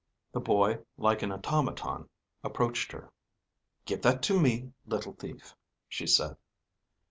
The boy, like an automaton, approached her. "Give that to me, little thief," she said.